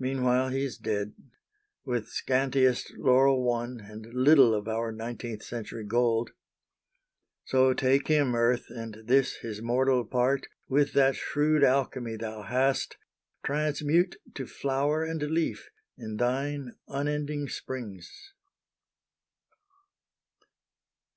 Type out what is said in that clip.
Meanwhile he's dead, with scantiest laurel won And little of our Nineteenth Century gold. So, take him, Earth, and this his mortal part, With that shrewd alchemy thou hast, transmute To flower and leaf in thine unending Springs!